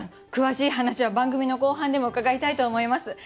詳しい話は番組の後半でも伺いたいと思います。